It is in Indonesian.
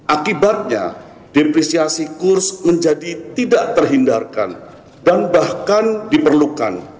akibatnya depresiasi kurs menjadi tidak terhindarkan dan bahkan diperlukan